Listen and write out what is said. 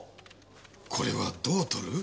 これはどう取る？